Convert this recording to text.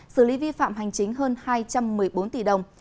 xử lý vi phạm hành chính hơn hai trăm một mươi bốn tỷ đồng